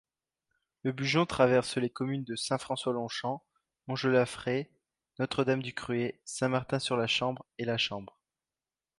Le Bugeon traverse les communes de Saint-François-Longchamp, Montgellafrey, Notre-Dame-du-Cruet, Saint-Martin-sur-la-Chambre et La Chambre.